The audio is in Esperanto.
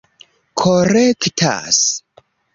korektas